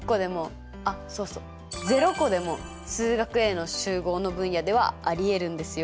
あっそうそう０個でも「数学Ａ」の集合の分野ではありえるんですよ。